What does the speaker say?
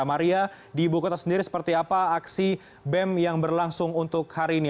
maria di ibu kota sendiri seperti apa aksi bem yang berlangsung untuk hari ini